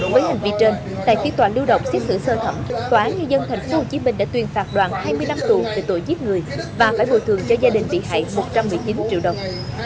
với hành vi trên tại phiên tòa lưu động xét xử sơ thẩm tòa án nhân dân thành phố hồ chí minh đã tuyên phạt đoàn hai mươi năm tù về tội giết người và phải bồi thường cho gia đình bị hại một trăm một mươi chín triệu đồng